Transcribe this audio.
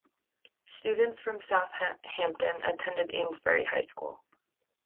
Students from South Hampton attend Amesbury High School.